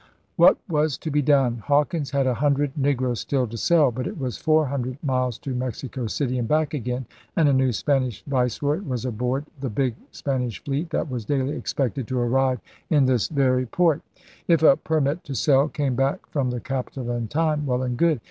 ' What was to be done? Hawkins had a hundred negroes still to sell. But it was four hundred miles to Mexico City and back again; and a new Spanish viceroy was aboard the big Spanish fleet that was daily expected to arrive in this very 90 ELIZABETHAN SEA DOGS port. If a permit to sell came back from the capital in time, well and good.